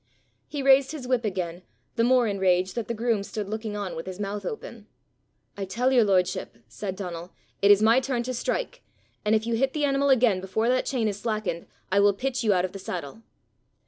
He raised his whip again, the more enraged that the groom stood looking on with his mouth open. "I tell your lordship," said Donal, "it is my turn to strike; and if you hit the animal again before that chain is slackened, I will pitch you out of the saddle."